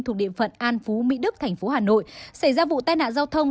thuộc địa phận an phú mỹ đức thành phố hà nội xảy ra vụ tai nạn giao thông